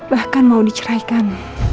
bahkan mau diceraikan